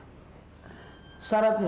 tapi tapi ada sarannya